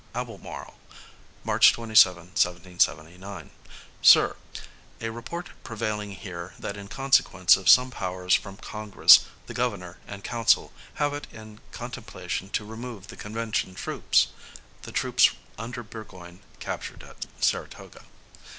Albemarle, March 27, 1779. Sir, A report prevailing here, that in consequence of some powers from Congress, the Governor and Council have it in contemplation to remove the Convention troops, [The troops under Burgoyne, captured at Saratoga.